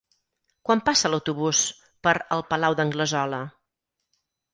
Quan passa l'autobús per el Palau d'Anglesola?